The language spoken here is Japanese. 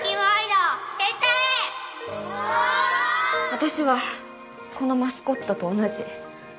私はこのマスコットと同じ。